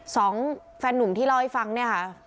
สองแฟนนุ่มที่เล่าให้ฟังเนี่ยค่ะ